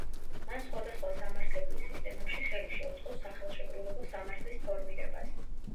მან სხვადასხვა სამართლებრივ სისტემებში ხელი შეუწყო სახელშეკრულებო სამართლის ფორმირებას.